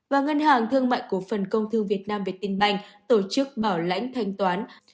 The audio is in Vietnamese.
và ngân hàng thương mại cổ phần công thư việt nam việt tinh banh tổ chức bảo lãnh thanh toán